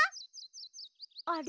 あれ？